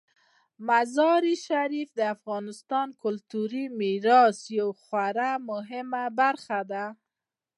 مزارشریف د افغانستان د کلتوري میراث یوه خورا مهمه برخه ده.